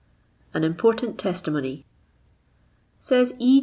AN IMPORTANT TESTIMONY. Says E.